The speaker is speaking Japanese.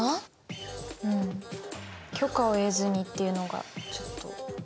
許可を得ずにっていうのがちょっと。